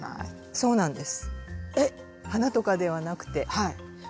そうなんです。